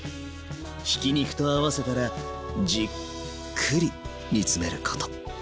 ひき肉と合わせたらじっくり煮詰めること。